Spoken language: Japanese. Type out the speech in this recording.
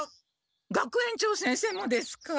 学園長先生もですか？